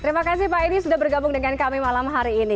terima kasih pak edi sudah bergabung dengan kami malam hari ini